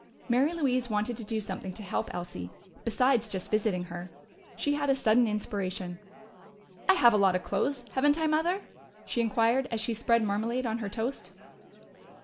Mary Louise wanted to do something to help Elsie, besides just visiting her. She had a sudden inspiration. "I have a lot of clothes, haven't I, Mother?" she inquired as she spread marmalade on her toast.